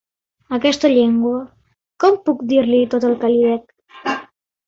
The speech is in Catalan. Aquesta llengua... Com puc dir-li tot el que li dec?